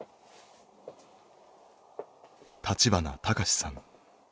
立花隆さん。